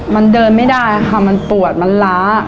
มันเดินไม่ได้ค่ะมันปวดมันล้า